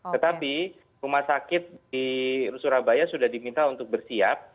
tetapi rumah sakit di surabaya sudah diminta untuk bersiap